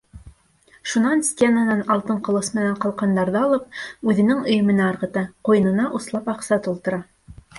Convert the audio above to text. Шунан стенанан алтын ҡылыс менән ҡалҡандарҙы алып, үҙенең өйөмөнә ырғыта, ҡуйынына услап аҡса тултыра.